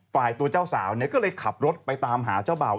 ฝ่ายตัวเจ้าสาวเนี่ยก็เลยขับรถไปตามหาเจ้าบ่าว